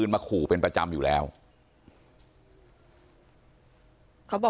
ไม่ตั้งใจครับ